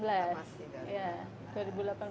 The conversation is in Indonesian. pertama sih kan